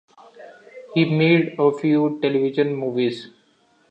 He made a few television movies.